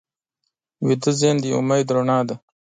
ویده ذهن د امید رڼا ده